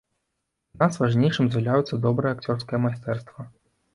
Для нас важнейшым з'яўляецца добрае акцёрскае майстэрства.